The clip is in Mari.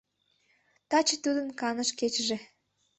Таче тудын каныш кечыже.